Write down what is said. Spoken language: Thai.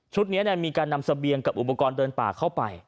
นี้มีการนำเสบียงกับอุปกรณ์เดินป่าเข้าไป